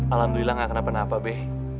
alhamdulillah gak kenapa napa be